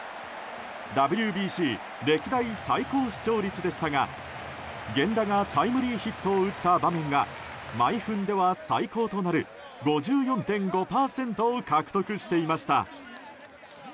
ＷＢＣ歴代最高視聴率でしたが源田がタイムリーヒットを打った場面が毎分では最高となる５４．５％を獲得していました。